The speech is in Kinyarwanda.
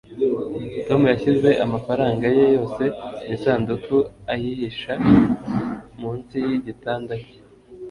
tom yashyize amafaranga ye yose mu isanduku ayihisha munsi yigitanda cye